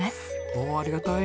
おおありがたい！